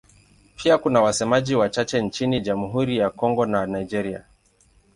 Pia kuna wasemaji wachache nchini Jamhuri ya Kongo na Nigeria.